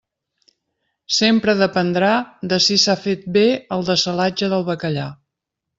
Sempre dependrà de si s'ha fet bé el dessalatge del bacallà.